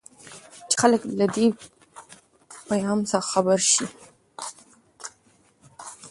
چې خلک له دې پيفام څخه خبر شي.